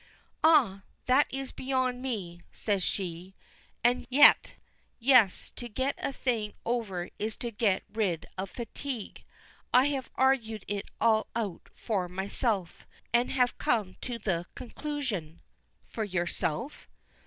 "Ah! that is beyond me," says she. "And yet yes; to get a thing over is to get rid of fatigue. I have argued it all out for myself, and have come to the conclusion " "For yourself!"